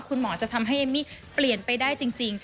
คุณหมอจะทำให้เอมมี่เปลี่ยนไปได้จริง